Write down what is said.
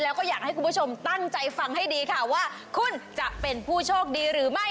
แล้วก็อยากให้คุณผู้ชมตั้งใจฟังให้ดีค่ะว่าคุณจะเป็นผู้โชคดีหรือไม่